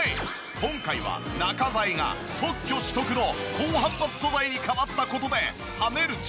今回は中材が特許取得の高反発素材に変わった事で。